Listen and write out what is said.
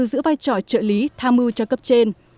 giữ vai trò trợ lý tham mưu cho cấp trên